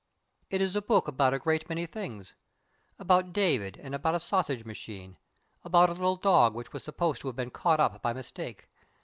It is a book about a great many things about David and about a sausage machine, about a little dog which was supposed to have been caught up by mistake.